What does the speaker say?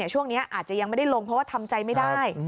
ช่วงนี้อาจจะยังไม่ได้ลงเพราะว่าทำใจไม่ได้